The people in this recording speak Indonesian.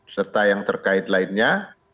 serta yang terkait lainnya